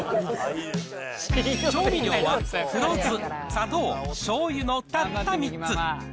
調味料は黒酢、砂糖、しょうゆのたった３つ。